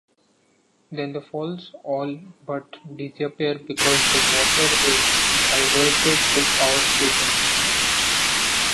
Then the falls all but disappear because the water is diverted to power stations.